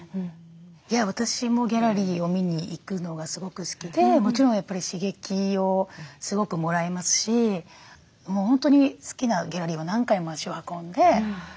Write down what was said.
私もギャラリーを見に行くのがすごく好きでもちろんやっぱり刺激をすごくもらいますしもう本当に好きなギャラリーは何回も足を運んで。